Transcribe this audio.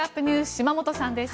島本さんです。